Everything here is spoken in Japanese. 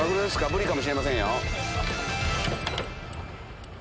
ブリかもしれませんよ。